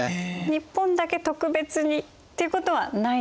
日本だけ特別にっていうことはないんですよね。